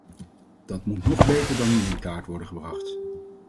Dat moet nog beter dan nu in kaart worden gebracht.